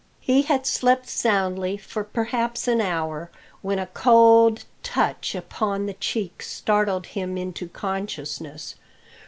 He had slept soundly for perhaps an hour, when a cold, touch upon the cheek startled him into consciousness.